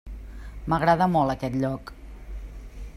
M'agrada molt aquest lloc.